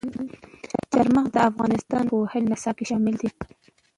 چار مغز د افغانستان د پوهنې نصاب کې شامل دي.